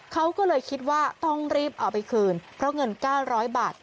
เขาก็เลยคิดว่าต้องรีบเอาไปคืนเพราะเงิน๙๐๐บาท